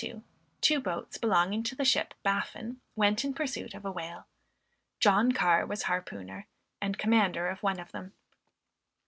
In 1822, two boats belonging to the ship Baffin went in pursuit of a whale. John Carr was harpooner and commander of one of them.